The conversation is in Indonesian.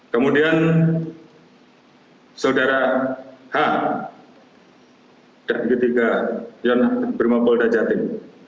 kemudian saudara h dan ketiga yon brimopolda jatim